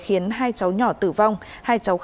khiến hai cháu nhỏ tử vong hai cháu khác đã chấn thương